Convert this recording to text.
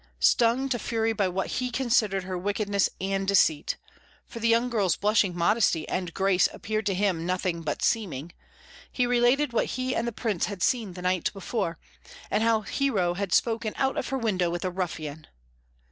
Stung to fury by what he considered her wickedness and deceit for the young girl's blushing modesty and grace appeared to him nothing but seeming he related what he and the Prince had seen the night before, and how Hero had spoken out of her window with a ruffian.